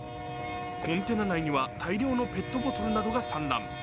コンテナ内には大量のペットボトルなどが散乱。